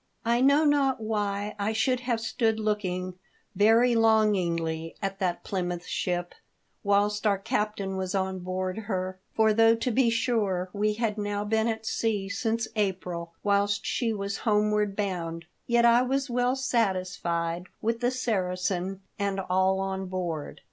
I know not why I should have stood look ing very longingly at that Plymouth ship whilst our captain was on board her ; for though to be sure we had now been at sea since April, whilst she was homeward bound, yet I was well satisfied with the Saracen and all on board.